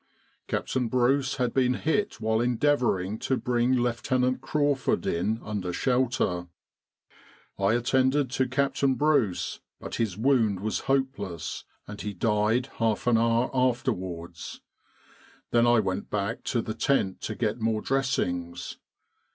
Captain Bruce had been hit while endeavouring to bring Lieutenant Crawford in under shelter. I attended to Captain Bruce, but his wound was hopeless, and he died half an hour afterwards. Then I went back to the tent to get more dressings.